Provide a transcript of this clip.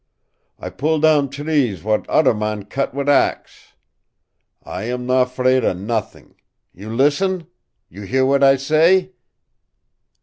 I pull down trees w'at oder man cut wit' axe. I am not 'fraid of not'ing. You lissen? You hear w'at I say?"